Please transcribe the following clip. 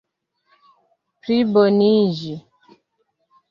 pliboniĝi